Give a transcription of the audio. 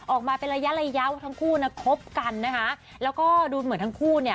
ออกมาเป็นระยะระยะว่าทั้งคู่น่ะคบกันนะคะแล้วก็ดูเหมือนทั้งคู่เนี่ย